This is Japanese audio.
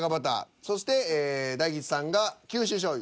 そして大吉さんが「九州しょうゆ」。